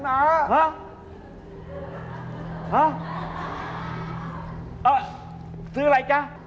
อ่ะซื้ออะไรจ้ะอ่ะ